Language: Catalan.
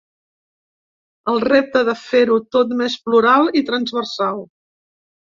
El repte de fer-ho tot més plural i transversal.